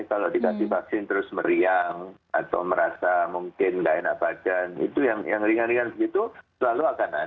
kalau dikasih vaksin terus meriang atau merasa mungkin nggak enak badan itu yang ringan ringan begitu selalu akan ada